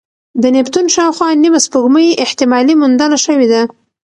د نیپتون شاوخوا نیمه سپوږمۍ احتمالي موندنه شوې ده.